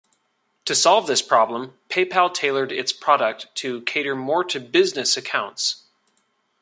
To solve this problem, PayPal tailored its product to cater more to business accounts.